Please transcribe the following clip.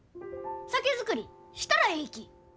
酒造りしたらえいき！